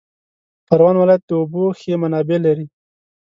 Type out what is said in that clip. پروان ولایت د اوبو ښې منابع لري